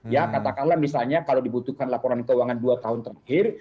ya katakanlah misalnya kalau dibutuhkan laporan keuangan dua tahun terakhir